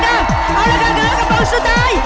เอาละค่ะเหลือกระโปรดสุดท้าย